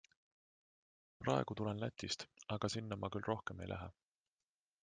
Praegu tulen Lätist, aga sinna ma küll rohkem ei lähe.